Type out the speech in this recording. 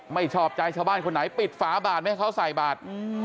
ไม่ชอบใจชาวบ้านคนไหนปิดฝาบาทไม่ให้เขาใส่บาท